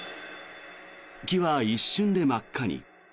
木は一瞬で真っ赤に。